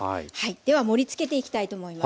では盛りつけていきたいと思います。